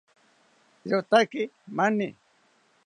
Irotaki mani